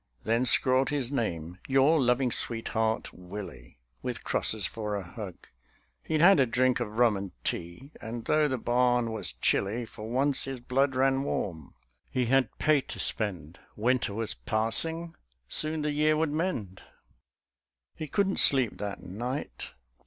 Then scrawled his name: "Your loving sweetheart, Willie." With crosses for a hug. He'd had a drink Of rum and tea; and, though the barn was chilly, For once his blood ran warm; he had pay to spend. Winter was passing; soon the year would mend. He couldn't sleep that night.